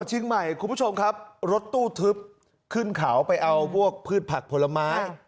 เชียงใหม่คุณผู้ชมครับรถตู้ทึบขึ้นเขาไปเอาพวกพืชผักผลไม้